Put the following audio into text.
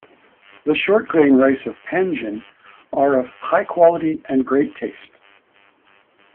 The short grain rice of Panjin are of high quality and great taste.